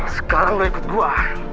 sekarang lu ikut gue